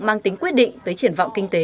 mang tính quyết định tới triển vọng kinh tế